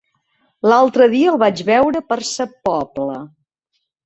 L'altre dia el vaig veure per Sa Pobla.